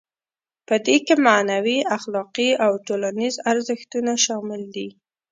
په دې کې معنوي، اخلاقي او ټولنیز ارزښتونه شامل دي.